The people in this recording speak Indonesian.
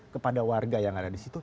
kepada warga yang ada disitu